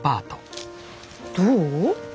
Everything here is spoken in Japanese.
どう？